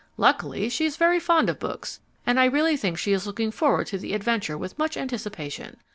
Luckily, she is very fond of books, and I really think she is looking forward to the adventure with much anticipation.